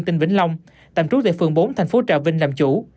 tỉnh vĩnh long tạm trú tại phường bốn thành phố trà vinh làm chủ